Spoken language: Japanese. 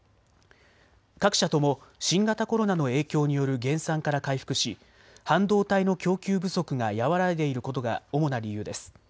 各社とも新型コロナの影響による減産から回復し半導体の供給不足が和らいでいることが主な理由です。